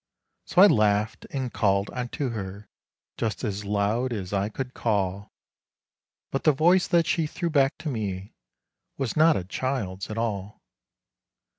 So I laughed and called unto her just as loud as I could call, But the voice that she threw back to me was not a child's at all.